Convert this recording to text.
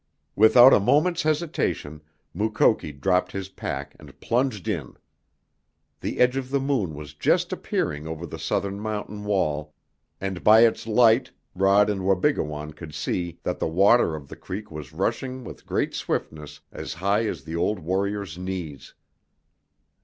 Without a moment's hesitation Mukoki dropped his pack and plunged in. The edge of the moon was just appearing over the southern mountain wall and by its light Rod and Wabigoon could see that the water of the creek was rushing with great swiftness as high as the old warrior's knees.